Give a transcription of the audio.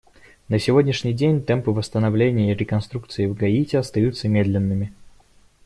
На сегодняшний день темпы восстановления и реконструкции в Гаити остаются медленными.